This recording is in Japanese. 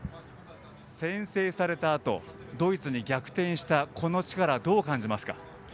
先制されたあとドイツに逆転した、この力どう感じますか。